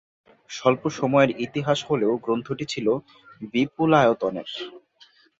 স্বল্প সময়ের ইতিহাস হলেও গ্রন্থটি ছিল বিপুলায়তনের।